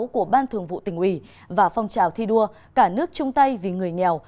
của ban thường vụ tỉnh ủy và phong trào thi đua cả nước chung tay vì người nghèo